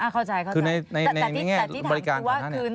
เข้าใจแต่ที่ถามคือว่า